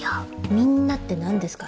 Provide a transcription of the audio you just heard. みんなって何ですか？